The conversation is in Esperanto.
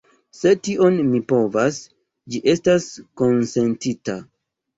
Se tion mi povas, ĝi estas konsentita.